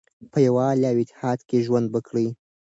په یووالي او اتحاد کې ژوند وکړئ.